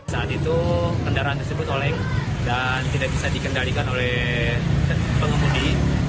saat itu kendaraan tersebut oleng dan tidak bisa dikendalikan oleh pengemudi